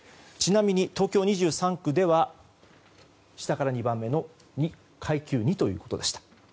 ちなみに東京２３区では下から２番目の階級２ということでした。